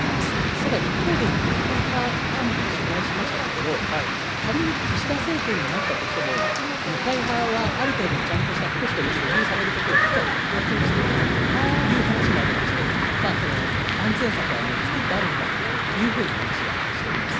ただ一方で、二階派幹部に取材しましたところ、仮に岸田政権になったとしても二階派はある程度のちゃんとしたコストで処遇されることを実は卓越をしているという話もありまして安全策は、もう作ってあるんだというふうな話はしていました。